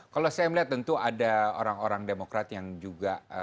kalau ada orang orang demokrat yang juga